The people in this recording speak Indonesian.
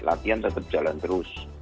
latihan tetap jalan terus